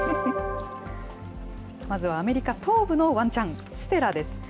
まずはアメリカ東部のワンちゃん、ステラです。